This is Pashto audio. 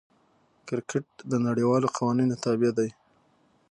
کرکټ د نړۍوالو قوانینو تابع دئ.